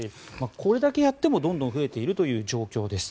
これだけやってもどんどん増えているという状況です。